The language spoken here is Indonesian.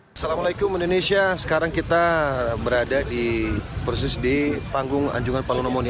assalamualaikum indonesia sekarang kita berada di persis di panggung anjungan palunomoni